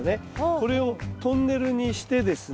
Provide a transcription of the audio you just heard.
これをトンネルにしてですね